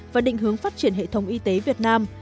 và định hướng phát triển hệ thống y tế việt nam